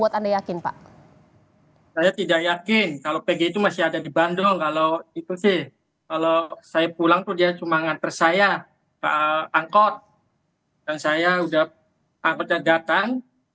kenapa paul kembali untuk berjalan